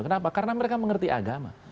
kenapa karena mereka mengerti agama